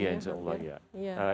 ya insya allah